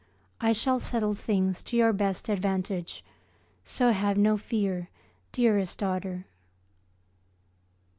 I shall settle things to your best advantage, so have no fear, dearest daughter.